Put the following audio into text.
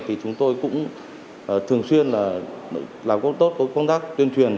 thì chúng tôi cũng thường xuyên là làm tốt công tác tuyên truyền